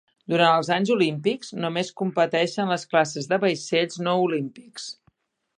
Durant els anys olímpics, només competeixen les classes de vaixells no olímpics.